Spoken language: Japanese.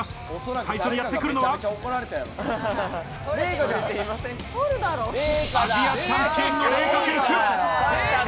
最初にやってくるのは、アジアチャンピオンのレイカ選手！